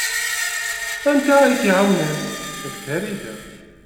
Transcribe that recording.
Anta ay k-iɛawnen? D Farida.